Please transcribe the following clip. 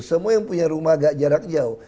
semua yang punya rumah agak jarak jauh